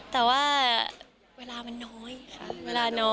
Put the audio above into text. แต่ว่าเวลามันน้อยค่ะ